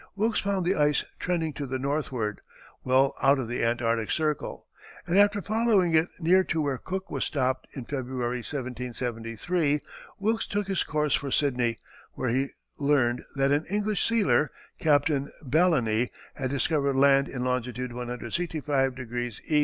Wilkes found the ice trending to the northward, well out of the Antarctic Circle, and after following it near to where Cook was stopped in February, 1773, Wilkes took his course for Sydney, where he learned that an English sealer, Captain Balleny, had discovered land in longitude 165° E.